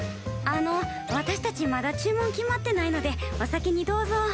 あの私たちまだ注文決まってないのでお先にどうぞ。